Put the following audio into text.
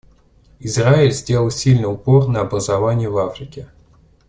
Израиль сделал сильный упор на образование в Африке.